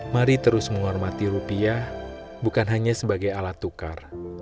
mari terus menghormati rupiah bukan hanya sebagai alat tukar